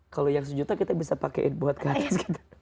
kalau yang satu juta kita bisa pakai buat ke atas